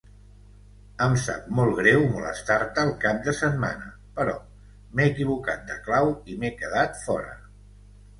Em sap molt greu molestar-te el cap de setmana però m'he equivocat de clau i m'he quedat fora.